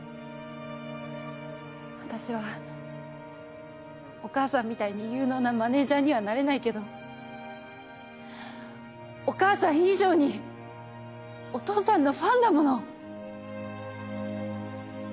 私はお母さんみたいに有能なマネジャーにはなれないけどお母さん以上にお父さんのファンだもの。